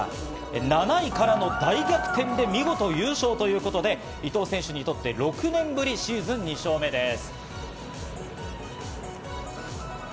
７位からの大逆転で見事、優勝ということで、伊藤選手にとって６年ぶり、シーズン２勝目です。